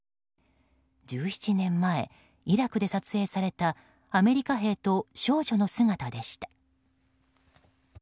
１７年前、イラクで撮影されたアメリカ兵と少女の姿でした。